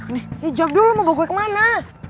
nih jawab dulu lo mau bawa gue kemana